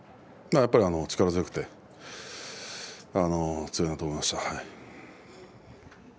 やっぱり力強くて強いなと思いました。